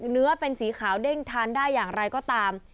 เนื้อเป็นสีขาวเด้งทานได้อย่างไรก็ตาม